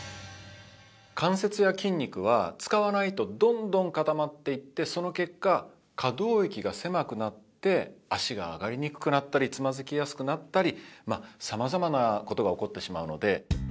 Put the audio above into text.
関節や筋肉は使わないとどんどん固まっていってその結果可動域が狭くなって脚が上がりにくくなったりつまずきやすくなったり様々な事が起こってしまうので。